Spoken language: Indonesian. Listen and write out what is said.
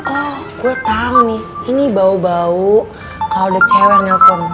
oh gue tau nih ini bau bau kalo ada cewek yang nelfon